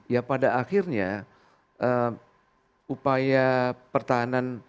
ya pada akhirnya upaya pertahanan